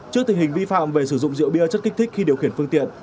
trước tình hình vi phạm về sử dụng rượu bia chất kích thích khi điều khiển phương tiện